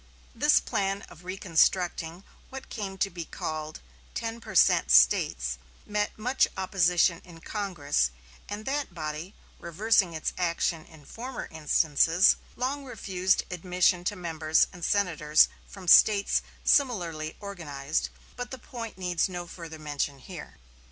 This plan of reconstructing what came to be called "ten percent States," met much opposition in Congress, and that body, reversing its action in former instances, long refused admission to members and senators from States similarly organized; but the point needs no further mention here.